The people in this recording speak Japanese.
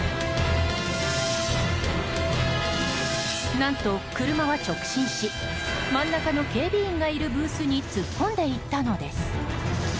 何と車は、直進し真ん中の警備員がいるブースに突っ込んでいったのです。